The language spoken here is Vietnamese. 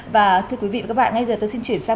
và thưa quý vị và các bạn ngay giờ tôi xin chuyển sang